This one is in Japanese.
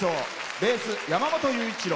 ベース、山本優一郎。